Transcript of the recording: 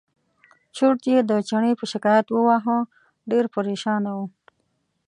چورت یې د چڼي په شکایت وواهه ډېر پرېشانه و.